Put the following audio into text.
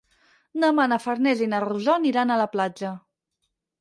Demà na Farners i na Rosó aniran a la platja.